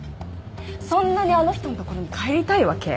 そんなにあの人の所に帰りたいわけ？